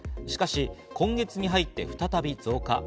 しかし、今月に入って再び増加。